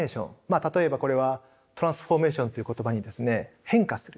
例えばこれはトランスフォーメーションという言葉にですね変化する。